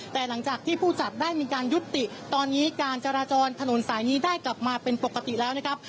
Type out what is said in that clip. แต่หลังจากที่ผู้จัดได้มีการยุติตอนนี้การจราจรถนนสายนี้ได้กลับมาเป็นปกติแล้วนะครับ